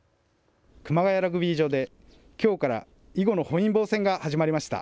熊谷ラグビー場できょうから囲碁の本因坊戦が始まりました。